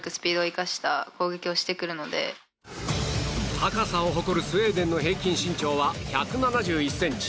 高さを誇るスウェーデンの平均身長は１７１ｃｍ。